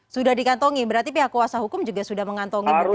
sudah dikantongi berarti pihak kuasa hukum juga sudah mengantongi bukti